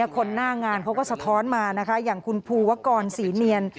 คนหน้างานเขาก็สะท้อนมานะคะอย่างคุณภูวกรศรีเนียน